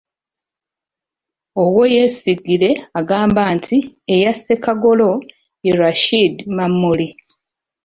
Owoyesigire agamba nti eyasse Kagolo ye Rashid Mamuli.